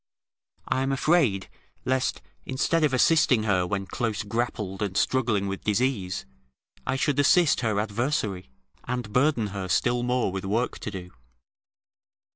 I am afraid, lest, instead of assisting her when close grappled and struggling with disease, I should assist her adversary, and burden her still more with work to do.